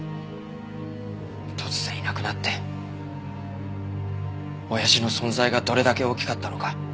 突然いなくなって親父の存在がどれだけ大きかったのか。